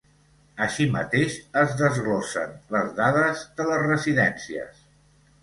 Així mateix, es desglossen les dades de les residències.